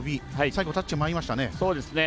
最後、タッチありましたね。